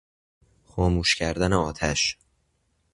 خاموش کردن آتش